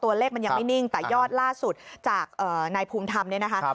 ตัวเลขมันยังไม่นิ่งแต่ยอดล่าสุดจากนายภูมิธรรมเนี่ยนะคะ